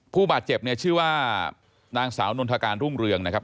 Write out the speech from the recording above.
ผู้บาดเจ็บเนี่ยชื่อว่านางสาวนนทการรุ่งเรืองนะครับ